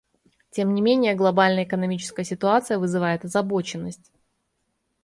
Тем не менее, глобальная экономическая ситуация вызывает озабоченность.